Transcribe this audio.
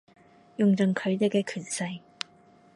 用盡佢哋嘅權勢